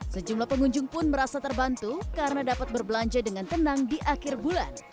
sejumlah pengunjung pun merasa terbantu karena dapat berbelanja dengan tenang di akhir bulan